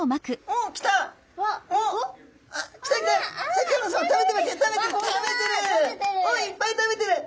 おおいっぱい食べてる。